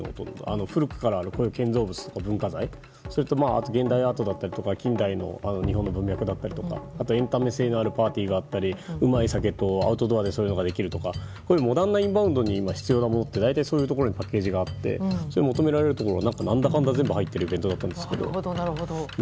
古くからある建造物とか文化財それと現代アートや近代の日本の文学だったりエンタメ性があるパーティーやうまい酒とそういうのができるとかモダンなインバウンドに必要なものって大体そういうところにパッケージがあって求められるところが何だかんだ全部入ってるイベントでした。